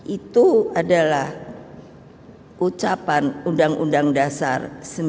itu adalah ucapan undang undang dasar seribu sembilan ratus empat puluh lima